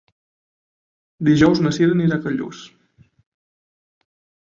Dijous na Cira anirà a Callús.